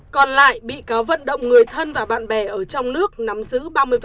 còn lại bị cáo vận động người thân và bạn bè ở trong nước nắm giữ ba mươi